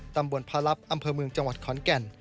ตำบลพระลับอำเภอเมืองจังหวัดขอนแก่น